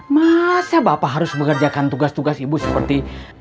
masa bapak harus mengerjakan tugas tugas ibu seperti